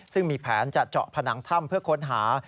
ซึ่งมีแผนจะเจาะผนังถ้ำเพื่อค้นหา